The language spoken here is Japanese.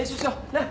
なっ。